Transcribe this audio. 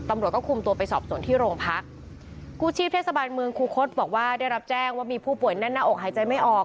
ตำรวจก็คุมตัวไปสอบส่วนที่โรงพักครูชีพเทศบาลเมืองคูคศบอกว่าได้รับแจ้งว่ามีผู้ป่วยแน่นหน้าอกหายใจไม่ออก